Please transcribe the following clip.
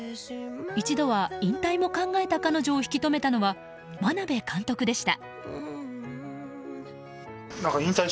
一度は引退も考えた彼女を引き留めたのは眞鍋監督でした。